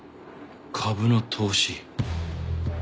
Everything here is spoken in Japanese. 株の投資。